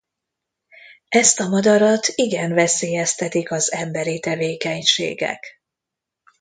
Ezt a madarat igen veszélyeztetik az emberi tevékenységek.